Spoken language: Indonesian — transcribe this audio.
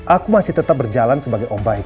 aku masih tetap berjalan sebagai om baik